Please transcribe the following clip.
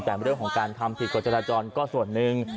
แต่เรื่องของการทำผิดกฎจราจรก็ส่วนหนึ่ง